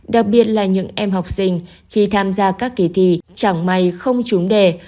đặc biệt là những em học sinh khi tham gia các kỳ thi chẳng may không trúng đề